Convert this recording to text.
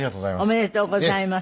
おめでとうございます。